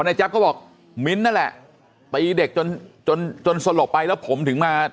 แจ๊บก็บอกมิ้นท์นั่นแหละตีเด็กจนจนจนสลบไปแล้วผมถึงมา